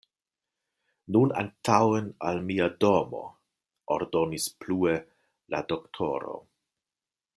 Nun antaŭen al mia domo, ordonis plue la doktoro.